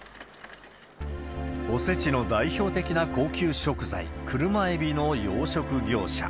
おせちの代表的な高級食材、クルマエビの養殖業者。